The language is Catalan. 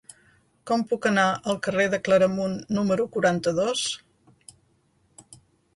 Com puc anar al carrer de Claramunt número quaranta-dos?